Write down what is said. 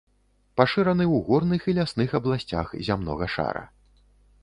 Пашыраны ў горных і лясных абласцях зямнога шара.